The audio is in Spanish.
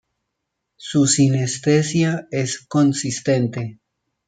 Su sinestesia es consistente.